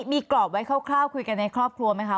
มีกรอบไว้คร่าวคุยกันในครอบครัวไหมคะ